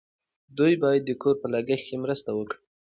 دوی باید د کور په لګښت کې مرسته وکړي.